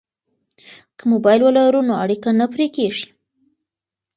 که موبایل ولرو نو اړیکه نه پرې کیږي.